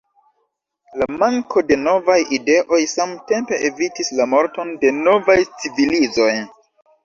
La manko de novaj ideoj samtempe evitis la morton de novaj civilizoj.